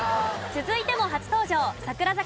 続いても初登場櫻坂